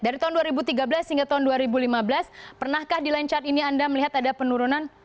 dari tahun dua ribu tiga belas hingga tahun dua ribu lima belas pernahkah di line chart ini anda melihat ada penurunan